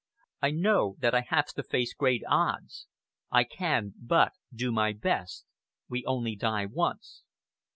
I know that I have to face great odds. I can but do my best. We only die once."